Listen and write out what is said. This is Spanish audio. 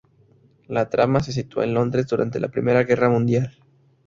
La trama se sitúa en Londres durante la Primera Guerra Mundial.